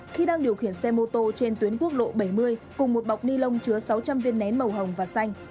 khi đang điều khiển xe mô tô trên tuyến quốc lộ bảy mươi cùng một bọc ni lông chứa sáu trăm linh viên nén màu hồng và xanh